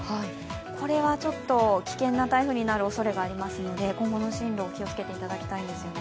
これは危険な台風になるおそれがありますので今後の進路、気をつけていただきたいんですよね。